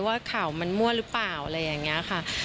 ว่าข่าวมันมั่วหรือเปล่าอะไรอย่างนี้ค่ะ